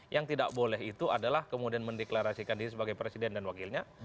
yang tidak boleh itu adalah kemudian mendeklarasikan diri sebagai presiden dan wakilnya